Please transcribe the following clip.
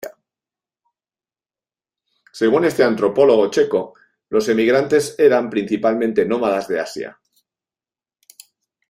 Según este antropólogo checo, los emigrantes eran principalmente nómadas de Asia.